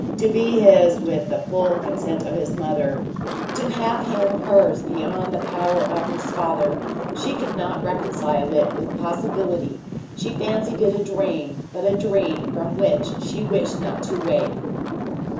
to be his with the full consent of his mother, to have him her's, beyond the power of his father, she could not reconcile it with possibility; she fancied it a dream, but a dream from which she wished not to wake.